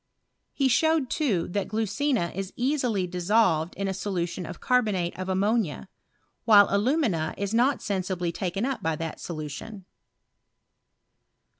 He showed, too, that glucina is easily dissolved in a solution of carbonate of ammonia, while alumina is not sensibly taken up by that solu tion.